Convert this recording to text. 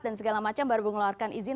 dan segala macam baru mengeluarkan izin